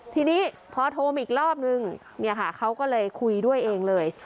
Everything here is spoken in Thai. ทีนี้พอโทรมาอีกรอบนึงเนี่ยค่ะเขาก็เลยคุยด้วยเองเลย